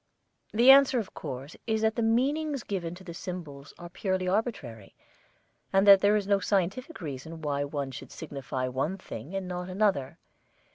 The answer, of course, is that the meanings given to the symbols are purely arbitrary, and that there is no scientific reason why one should signify one thing and not another.